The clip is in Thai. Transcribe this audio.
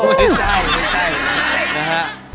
ไม่ใช่ไม่ใช่